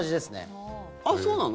あっ、そうなの？